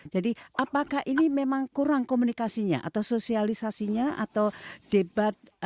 jadi apakah ini memang kurang komunikasinya atau sosialisasinya atau debat